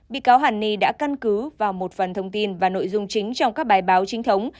bị cáo hàn ni đã căn cứ vào một phần thông tin và nội dung chính trong các bài báo chính thống